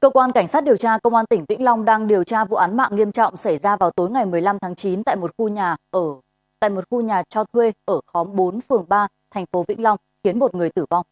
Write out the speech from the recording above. cơ quan cảnh sát điều tra công an tỉnh vĩnh long đang điều tra vụ án mạng nghiêm trọng xảy ra vào tối ngày một mươi năm tháng chín tại một khu nhà cho thuê ở khóm bốn phường ba tp vĩnh long khiến một người tử vong